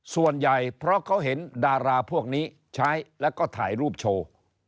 ส่วนใหญ่เพราะเขาเห็นดาราพวกนี้ใช้แล้วก็ถ่ายรูปโชว์